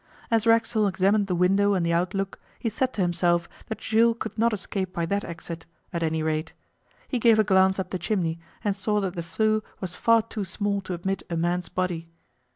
As Racksole examined the window and the outlook, he said to himself that Jules could not escape by that exit, at any rate. He gave a glance up the chimney, and saw that the flue was far too small to admit a man's body.